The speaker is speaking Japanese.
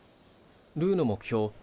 ルーの目標